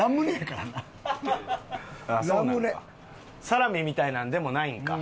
サラミみたいなのでもないんか。